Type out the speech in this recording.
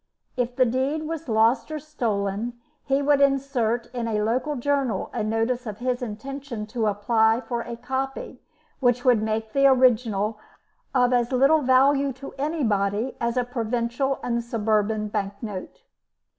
If the deed was lost or stolen, he would insert in a local journal a notice of his intention to apply for a copy, which would make the original of as little value to anybody as a Provincial and Suburban bank note.